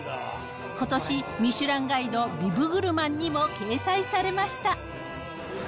ことし、ミシュランガイド、ビブグルマンにも掲載されました。